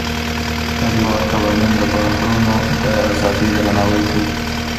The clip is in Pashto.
نړیوال قوانین د بحرونو د ازادۍ درناوی کوي.